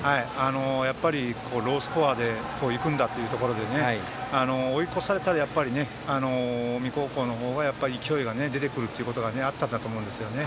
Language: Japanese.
やっぱりロースコアでいくんだというところで追い越されたら近江高校の方が勢いが出てくるということがあったんだと思うんですね。